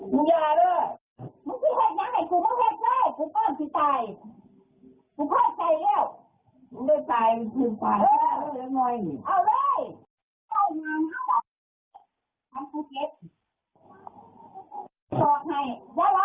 บอกในย้ายล้างขอขู่กับเกียรติพ่อ